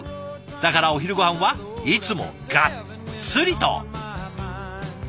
だからお昼ごはんはいつもがっつりと！